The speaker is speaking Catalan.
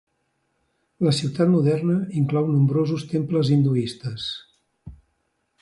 La ciutat moderna inclou nombrosos temples hinduistes.